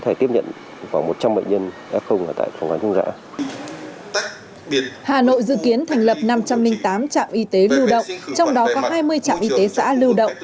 hà nội dự kiến thành lập năm trăm linh tám trạm y tế lưu động trong đó có hai mươi trạm y tế xã lưu động